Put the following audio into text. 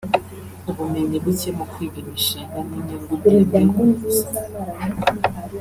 ubumenyi buke mu kwiga imishinga n’inyungu ndende ku nguzanyo